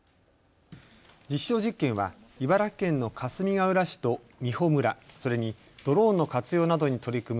実証実験は茨城県のかすみがうら市と美浦村、それにドローンの活用などに取り組む